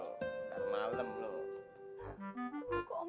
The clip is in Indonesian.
kok omselamak baru tinggal jadi tinggal lima hari dong